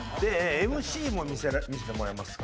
ＭＣも見せてもらえますか？